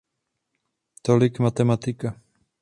Tolik matematika.